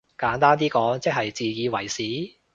簡單啲講即係自以為是？